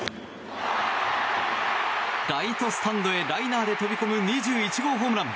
ライトスタンドへライナーで飛び込む２１号ホームラン。